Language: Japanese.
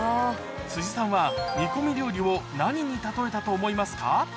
辻さんは煮込み料理を何に例えたと思いますか？